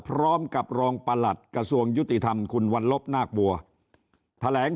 พร้อมกับรองประหลัดกระทรวงยุติธรรมคุณวันลบนาคบัวแถลง